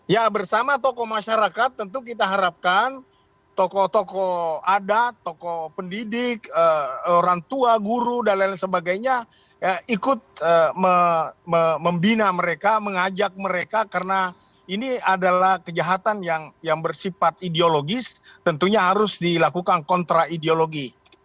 ya bersama tokoh masyarakat tentu kita harapkan tokoh tokoh adat tokoh pendidik orang tua guru dan lain sebagainya ikut membina mereka mengajak mereka karena ini adalah kejahatan yang bersifat ideologis tentunya harus dilakukan kontra ideologi